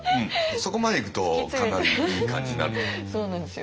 そこまでいくとかなりいい感じになると思います。